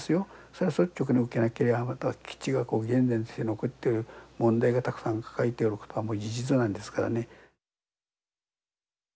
それは率直に受けなければ基地がこういうふうに連綿として残ってる問題がたくさん抱えていることは事実なんですからね。